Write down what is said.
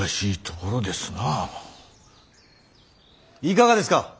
いかがですか。